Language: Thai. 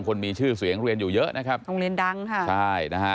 คนมีชื่อเสียงเรียนอยู่เยอะนะครับ